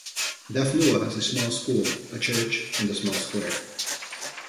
Dafnoula has a small school, a church, and a small square.